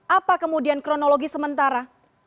apakah kemudian kronologi sementara